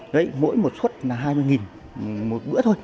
mỗi một suất là hai mươi đồng một bữa thôi